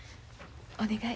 お願い。